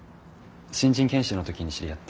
新人研修の時に知り合って。